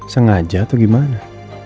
sengaja atau gimana